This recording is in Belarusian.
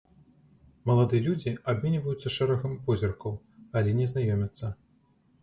Маладыя людзі абменьваюцца шэрагам позіркаў, але не знаёмяцца.